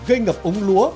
gây ngập ống lúa